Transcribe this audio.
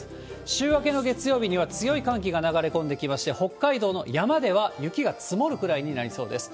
週明けの月曜日には、強い寒気が流れ込んできまして、北海道の山では雪が積もるくらいになりそうです。